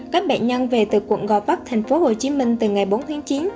các bệnh nhân về từ quận gò vắc thành phố hồ chí minh từ ngày bốn tháng chín